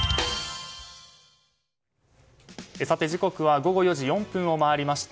時刻は午後４時４分を回りました。